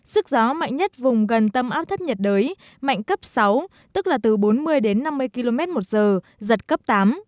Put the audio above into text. sức gió mạnh nhất vùng gần tâm áp thấp nhiệt đới mạnh cấp sáu tức là từ bốn mươi đến năm mươi km một giờ giật cấp tám